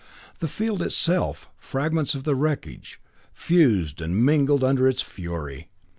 The field itself, fragments of the wreckage, fused and mingled under its fury.